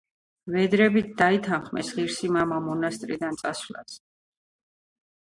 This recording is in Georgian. ვედრებით დაითანხმეს ღირსი მამა მონასტრიდან წასვლაზე.